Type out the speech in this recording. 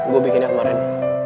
gue bikinnya kemarin